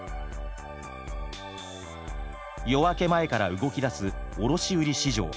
夜明け前から動き出す卸売市場。